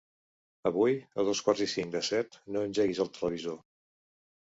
Avui a dos quarts i cinc de set no engeguis el televisor.